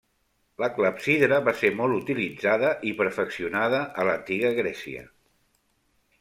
La clepsidra va ser molt utilitzada i perfeccionada a l'Antiga Grècia.